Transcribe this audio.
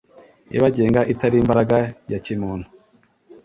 ibagenga itari imbaraga ya kimuntu.